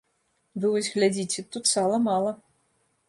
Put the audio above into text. Вы вось глядзіце, тут сала мала.